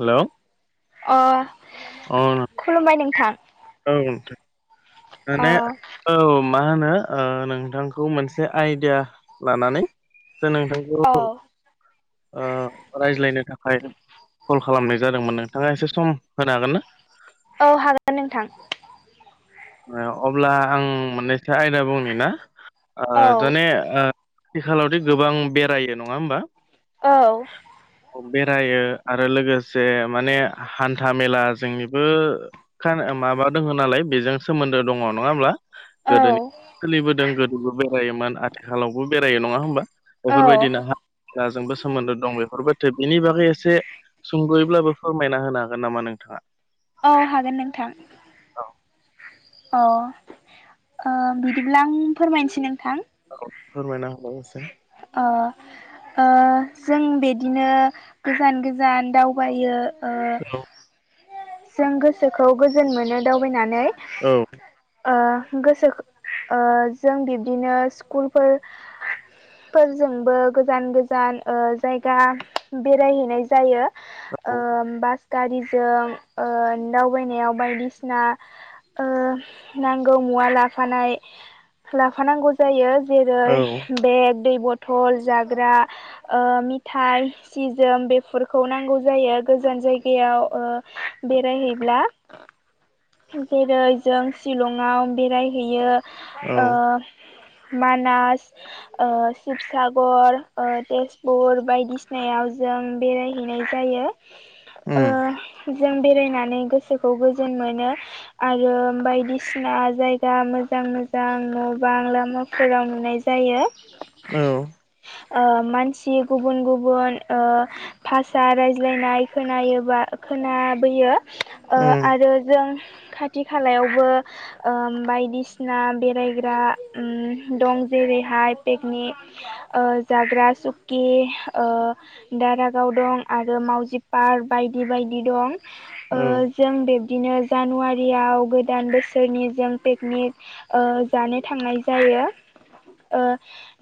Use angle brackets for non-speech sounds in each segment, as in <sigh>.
Hello अ औ नों- खुलुमबाय नोंथां। औ नोंथां अ माने। औ औ मा होनो नोंथांखौ मोनसे आइडि लानानै सो नोंथां। औ औ रायज्लायनो थाखाय। कल खालामनाय जादोंमोन नोंथाङा एसे सम होनो हागोन ना। औ हागोन नोंथां। अब्ला आं मोननैसो आयदा बुंनि ना औ जने। आथिखालाव दे गोबां बेरायो नङा होमबा। औ। <inaudible> बेरायो आरो लोगोसे माने हान्था मेला जोंनिबो। माबा दङ नालाय बेजों। सोमोन्दो दङ नङा होमब्ला औ गोदोनि सोलिबोदों गोदोबो बेरायोमोन आथि खालावबो बेरायो नङा होनोमबा। बेफोरबायदिनो हा ओ जोंबो सोमोन्दो दं बेफोरबायदिनो बेनि बागै एसे सुंद'यैब्लाबो फोरमायना होनो हागोन नामा नोंथाङा। औ हागोन नोंथां। औ अ ओ बिदिब्ला आं फोरमायनोसै नोंथां फोरमायना होलाय इसे ओ ओ जों बेदिनो गोजान-गोजान दावबायो ओ औ जों गोसोखौ गोजोन मोनो दावबायनानै औ ओ गोसोखो ओ जों बिब्दिनो स्कुलफोर फोरजोंबो गोजान-गोजान ओ जायगा बेरायहैनाय जायो। ओ औ बास गारिजों ओ दावबायनायाव बायदिसिना ओ नांगौ मुवा लाफानाय लाफानांगौ जायो औ जेरै बेग दै बथल जाग्रा ओ मिथाय सिजोम बेफोरखौ नांगौ जायो गोजान जायगायाव ओ बेरायहैब्ला जेरै जों शिलंआव बेरायहैयो औ ओ मानास ओ शिबसागर ओ तेजपुर बायदिसिनायाव जों बेराय हैनाय जायो उम ओ जों बेरायनानै गोसोखौ गोजोन मोनो। आरो बायदिसिना जायगा मोजां मोजां न बां लामाफोराव नुनाय जायो। जायो। औ ओ मानसि गुबुन-गुबुन ओ भाषा रायज्लायनाय खोनायोबा-खोनाबोयो ओ उम आरो जों खाथि खालायावबो ओ बायदिसिना बेरायग्रा उम दं जेरैहाय पिकनिक ओ जाग्रा सुकि ओ दारागाव दं आरो मावजि पार्क बायदि-बायदि दं। ओ औ जों बिब्दिनो जानुवारि रियाव गोदान बोसोरनि जों पिकनिक ओ जानो थांनाय जायो। ओ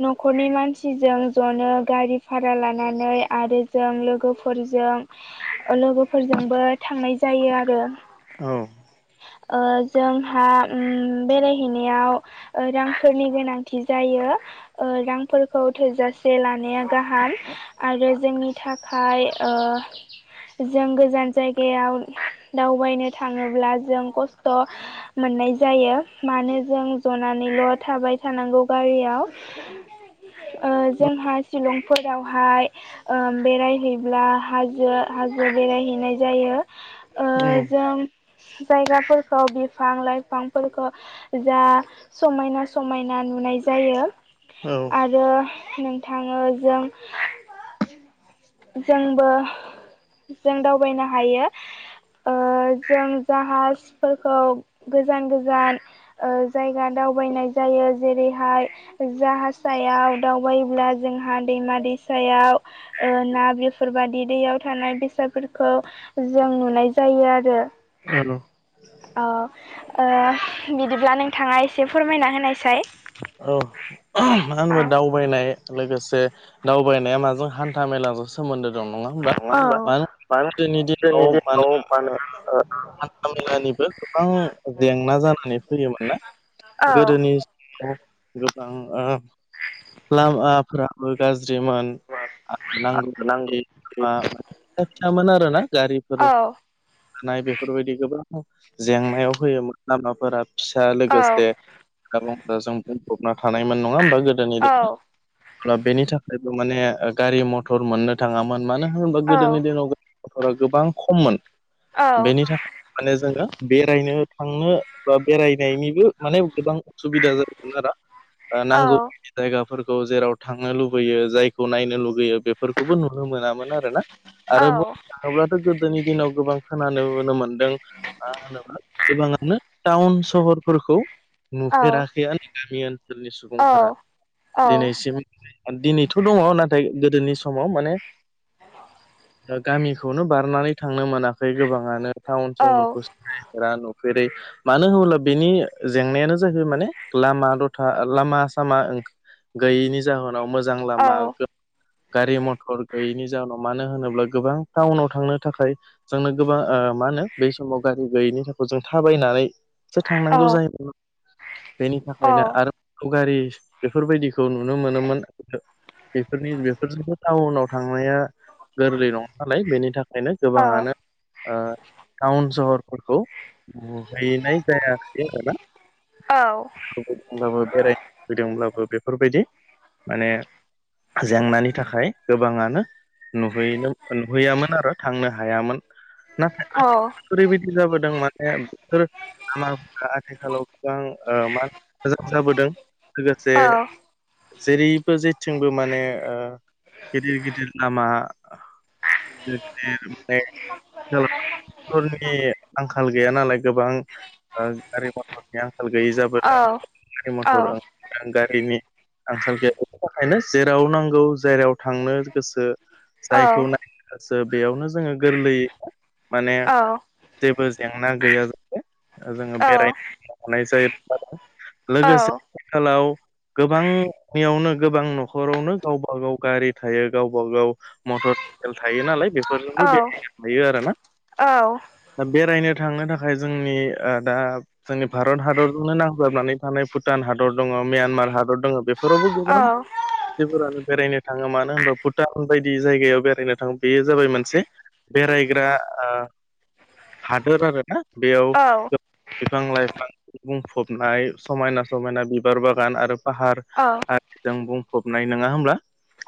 न'खरनि मानसिजों जनो गारि भारा लानानै आरो जों लोगोफोरजों लोगोफोरजोंबो थांनाय जायो आरो औ ओ जोंहा उम बेरायहैनायाव ओ रांफोरनि गोनांथि जायो। ओ रांफोरखौ थोजासे लानाया गाहाम। आरो जोंनि थाखाय ओ जों गोजान जायगायाव दावबायनो थाङोब्ला जों खस्थ' मोननाय जायो मानो जों जनानैल' थाबाय थानांगौ गारियाव ओ जोंहा शिलंफोरावहाय ओ बेरायहैब्ला हाजो-हाजो बेरायहैनाय जायो उम जों जायगाफोरखौ बिफां लाइफांफोरखौ जा समायना समायना नुनाय जायो औ आरो नोंथाङो जों जोंबो जों दावबायनो हायो जों जाहाजफोरखौ गोजान गोजान जायगा दावबायनाय जायो जेरैहाय जाह सायाव दावबायोब्ला जोंहा दैमा दैसायाव ना बेफोरबादि दैयाव थानाय बेसादफोरखौ जों नुनाय जायो आरो आनो औ बिदिब्ला नोंथाङा एसे फोरमायना होनायसाय औ मानो औ होनबा दाउ दावबायनाय लोगोसे दावबायनाया माजों हान्था मेला जोंसो सोमोन्दो दं नङा होमबा मानो होनबा गोदोनि दिनाव माने ओ हान्था मेलानिबो गोबां जेंना जानानै फैयोमोन ना ओ गोदोनि गोबां लामाफ्रा गाज्रिमोन आ नांगौ औ <unintelligible> <unintelligible> थानाय बेफोरबायदि गोबां जेंनायाव होयोमोन लामाफोरा फिसा औ लोगोसेग्राजों बुंफबना थानायमोन नङा होमबा गोदोनि औ दिनाव बेनि थाखायबो माने गारि मथर मोननो थाङामोन मानो होनोबा औ गोदोनि दिनाव मथरा गोबां खममोन औ बेनि थाखाय माने जोङो बेरायनो थांनो बा बेरायनायनिबो माने गोबां उसुबिदा जायो <unintelligible> जायगाफोरखौ जेराव थांनो लुबैयो जायखौ नायनो लुगैयो बेफोरखौबो नुनो मोनामोन आरो आरोना आरो बुंनो थाङोब्लाथ' गोदोनि दिनाव गोबां खोन मोनदों मा होन्ला गोबाङानो टाउन सहरफोरखौ नुफेराखैआानो गामि ओनसोलनि सुबुंफोरा दिनैसिम दिनैथ' दङ नाथाय गोदोनि समाव माने गामिखौनो बारनानै थांनो मोनाखै गोबाङानो टाउन सहरखौ सिनायफ न जेरै मानो होनोब्ला बेनि जेंनायानो जाहैबाय माने लामा दथा लामा सामा गैयैनि जाहोनाव मोजां लामा गारि मथर गैयैनि जााहनाव मानो होनोब्ला गोबां टाउनाव थांनो थाखाय जोंनो गोबां मा होनो बे समाव गारि गैयिनि थाखाय जों थाबायनानै सो थांनांगौ जायो बेनि थाखायनो आरो सावगारि बेफोरबायदिखौ नुनो मोनोमोन बेफोरनि बेफोरनिबो टाउनाव थांनाया गोरलै नङा नालाय बेनि थाखायनो गोबाङानो ओ टाउन सहरफोरखौ बहैनाय जायाखै आरोना। औ लुगेदोंब्लाबो बेरायनो लुगैदोंब्लाबो बेफोरबायदि माने जेंनानि थाखाय गोबाङानो नुहैनो नुहैयामोन आरो थांनो हायामोन। नाथाय आथिखालाव ओरैबायदि जाबोदों माने बेफोर लामाफोरा आथिखालाव गोबां मा मोजां जाबोदों लोगोसे जेरैबो जेथिंबो माने गिदिर गिदिर लामा बेफ्राय <unintelligible> आंखाल गैया नालाय गोबां गारि मथर <unintelligible> गैयै जाबोदों गारि मथर आं गारिनि आंखाल गैया बेनि थाखायनो जेराव नांगौ जेराव थांनो गोसो जायखौ नायसो बेयावनो जोङो गोरलैयै माने जेबो जेंना गैया जाहे जोङो औ बेरायनो हानाय जायो। लोगोसे आथिखालाव गोबांनियावनो गोबां न'खरावनो गावबा गाव गारि थायो गावबा गाव। मटर साइकेल थायो नालाय बेफोरजोंबो बेरायनो थायो आरोना। औ दा बेरायनो थांनो थाखाय जोंनि ओ दा जोंनि भारत हादरजोंनो नांजाबनानै थानाय भुटान हादर दङ म्यानमार हादर दङ बेफोरावबो गोबां मानसिफोरानो बेरायनो थाङो मानो होनबा भुटान बायदि जायगायाव बेरायनो थाङो बेयो जाबाय मोनसे बेरायग्रा ओ हादोर आरो ना बेयाव गो बिफां लाइफां बुंफबनाय समायना समायना बिबार बागान आरो फाहार आरो जों बुंफबनाय नङा होमब्ला।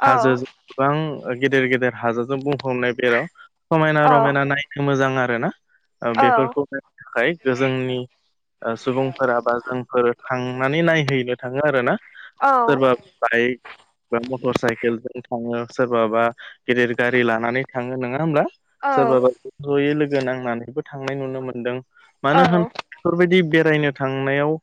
हाजोजों गोबां गेदेर गेदेर हाजोजों बुंफबनाय बेराव समायना रमायना नायनो मोजां आरो ना बेफोरखौ नायनो थाखाय गो जोंनि ओ सुबुंफोरा बा जोंफोर थांनानै नायहैनो थाङो आरो ना। सोरबा बाय बा मटर साइकेलजों थाङो सोरबाबा गेदिर गारि लानानै थाङो नङा होमब्ला? सोरबाबा ज'यै लोगो नांनानैबो थांनाय नुनो मोन्दों मानो होन बेफोरबायदि बेरायनो थांनायाव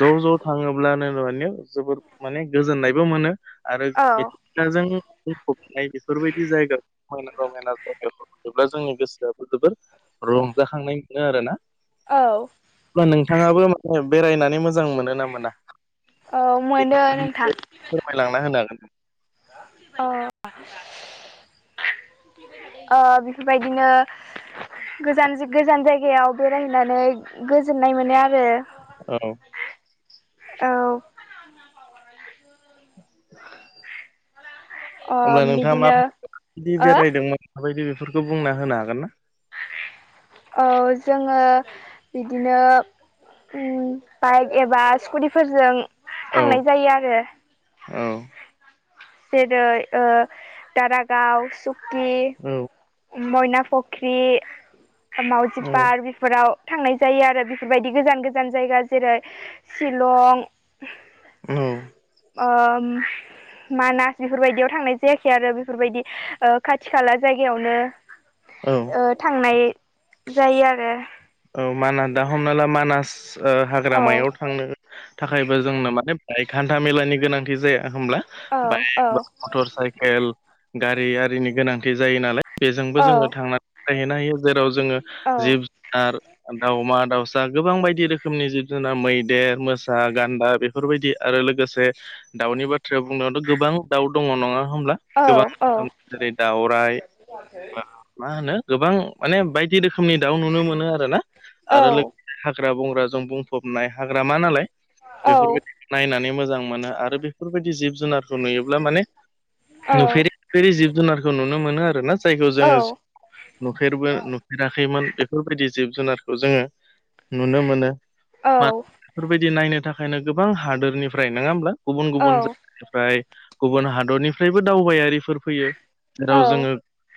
ज' ज' थाङोब्लानो माने जोबोर माने गोजोननायबो मोनो आरो फाजों बुंफबनाय बेफोरबायदि जायगा समायना रमायना जायगाखौ जेब्ला जोंनि गोसोआबो जोबोर रंजाखांनाय मोनो आरो ना। औ अब्ला नोंथाङाबो माने बेरायनानै मोजां मोनो ना मोना? मोनो नोंथां फोरमायलांना होनो हागोन ना? औ ओ बेफोरबायदिनो गोजान गोजान जायगायाव बेरायहैनानै गोजोननाय मोनो आरो। औ औ <unintelligible> अ अमब्ला नोंथाङा बिदिनो माब माबायदि ओ बेरायदोंमोन माबायदि बेफोरखौ बुंना होनो हागोन ना? औ जोङो बिदिनो उम बाइक एबा स्कुटिफोरजों औ थांनाय जायो आरो। औ जेरै ओ दारागाव सुक्कि औ मयना फख्रि, मावजि औ पार्क फोराव थांनाय जायो आरो बेफोरबायदि गोजान गोजान जायगा जेरै शिलं औ ओम मानास बेफोरबायदियाव थांनाय जायाखै आरो बेफोरबायदि खाथि खाला जायगायावनो‌ औ ओ थांनाय जायो आरो। औ मानास दा हमना ला मानास औ हाग्रामायाव थांनो थाखायबो जोंनो माने बेहाय हान्था मेलानि गोनांथि जाया होमब्ला? औ बाइक औ ब मटर साइकेल गारि आरिनि गोनांथि जायो नालाय बेजोंबो जोङो थांनानै थायहैनो हायो जेराव जोङो जिब जुनार दाउमा दाउसा गोबां बायदि रोखोमनि जिब जुनार मैदेर मोसा गान्दा बेफोर बेफोरबायदि आरो लोगोसे दाउनि बाथ्राया बुंनायावथ' गोबां दाउ दङ नङा होमब्ला? गोबां रोखोमनि जेरै दाउराय बा मा होनो गोबां माने बायदि रोखोमनि दाउ नुयो। नो आरो ना आरो लोगोसे हाग्रा बंग्राजों बुं फबनाय हाग्रामा नालाय बेफोरबाय नायनानै मोजां मोनो आरो बेफोरबायदि जिब जुनारखौ नुयोब्ला माने नुफेरिु नुफेरि जिब जुनारखौ नुनो मोनो आरो ना जायखौ जोङो नुफेरबो नुफेराखैमोन बेफोरबायदि जिब जुनारखौ जोङो नुनो मोनो। औ। मानो बेफोरबायदि नायनो थाखायनो गोबां हादोरनिफ्राय, नङा होमब्ला? गुबुन गुबुन ओमफ्राय गुबुन हादरनिफ्रायबो दावबायारिफोर फैयो जेराव जोङो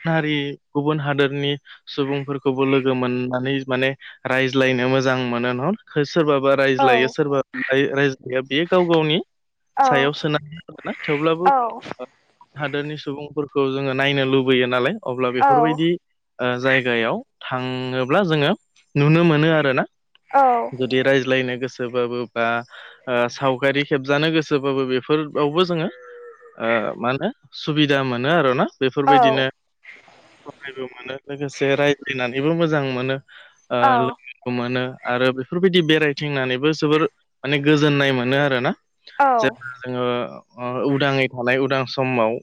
हारि गुबुन हादोरनि सुबुंफोरखौबो लोगो मोन नानै माने रायज्लायनो मोजां मोनो न सोरबाबा रायज्लायो सोरबाबा रायज्लाया। बे बेयो गाव गावनि सायाव सोनानै आरोना, थेवब्लाबो हादोरनि सुबुंफोरखौ जोङो नायनो लुबैयो नालाय अब्ला बेफोरबायदि ओ जायगायाव थाङोब्ला जोङो नुनो मोनो आरो ना, जुदि रायज्लायनो गोसोबाबो बा ओ सावगारि खेबजानो गोसोबाबो बेफोरावबो जोङो ओ मा होनो सुबिदा मोनो आरो ना? बेफोरबायदिनो सहायबो मोनो लोगोसे रायज्लायनानैबो मोजां मोनो। ओ लो गो मोनो आरो बेफोरबायदि बेरायथिंनानैबो जोबोर माने गोजोननाय मोनो आरोना। <unintelligible> जोङो ओ उदाङै थानाय उदां समाव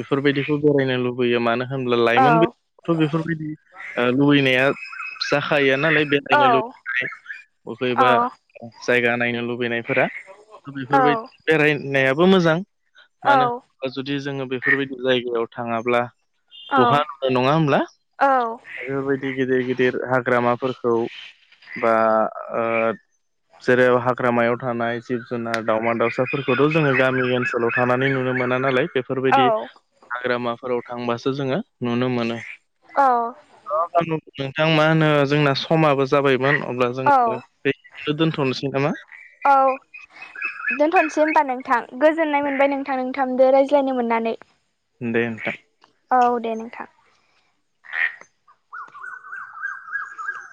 बेफोरबायदिखौ बेरायनो लुबैयो मानो होनब्ला लाइमोन बैसोआवथ' बेफोरबायदि लुबैनाया जाखायो नालाय बेरायनो लुबैनाय बबेबा जायगा नायनो लुबैनायफोरा बेफोरबायदि बेरायनायाबो मोजां। औ। ओ जुदि जोङो बेफोरबायदि जायगायाव थाङाब्ला बहा नुनो नङा होमब्ला? बेफोरबायदि गिदिर गिदिर गिदिर हाग्रामाफोरखौ बा ओ जेरै हाग्रामायाव थानाय जिब जुनार, दाउमा दाउसाफोरखौथ' जोङो गामि ओनसोल आव थानानै नुनो मोना नालाय, बे बेफोरबायदि हाग्रामाफोराव थांबासो जोङो नुनो मोनो। औ। नोंथां मा होनो जोंना समाबो जाबायमोन अब्ला जोङो बेखिनियावनो दोनथ'नोसै नामा? औ। दोनथ'नोसै होमबा नोंथां। गोजोननाय मोनबाय नोंथां, नोंथांजों रायज्लायनो मोननानै। दे ओनथां। औ दे नोंथां